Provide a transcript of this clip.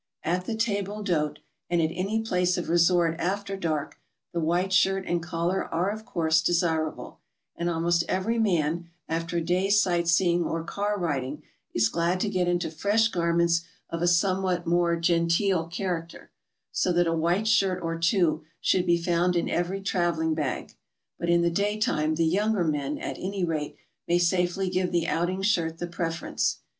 At the table d'hote and at any place of resort after dark, the white * shirt and collar are, of course, desirable, and almost every man, after a day's sight seeing or car riding, is glad to get into fresh garments of a somewhat more genteel character, so that a white s'hirt or two should be found in every travel ing bag, but in the daytime the younger men, at any rate, may safely give the outing shirt the preference.